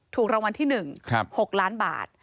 ถูกรางวัลที่๑๖ล้านบาท